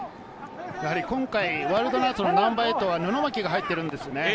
今回ワイルドナイツのナンバー８は布巻が入っているんですよね。